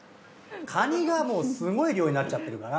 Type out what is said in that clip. カニがもうすごい量になっちゃってるから。